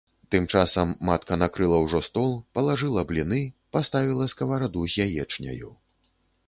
Тым часам матка накрыла ўжо стол, палажыла бліны, паставіла скавараду з яечняю.